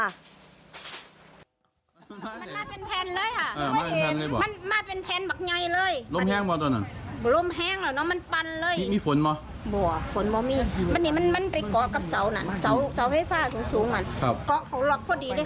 มันมาเป็นแทนเลยค่ะมันมาเป็นแทนแบบไงเลย